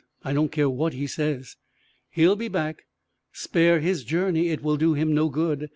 I don't care what he says." "He'll be back." "Spare his journey! It will do him no good.